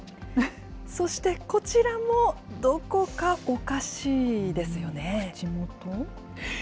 そしてこちらも、どこかおかしい口元？